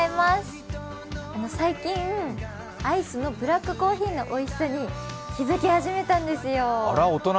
最近、アイスのブラックコーヒーのおいしさに気付き始めたんですよ。